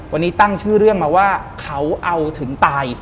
วันนี้ตั้งชื่อเรื่องมาว่าเขาเอาถึงตาย